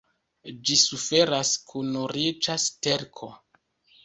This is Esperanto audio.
Ĝi suferas kun riĉa sterko.